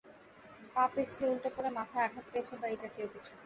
পা পিছলে উন্টে পড়ে মাথায় আঘাত পেয়েছে বা এইজাতীয় কিছু।